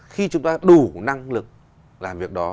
khi chúng ta đủ năng lực làm việc đó